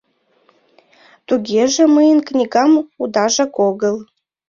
— Тугеже, мыйын книгам удажак огыл.